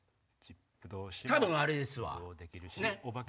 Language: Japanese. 多分あれですわ。